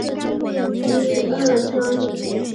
竹山淫羊藿为小檗科淫羊藿属下的一个种。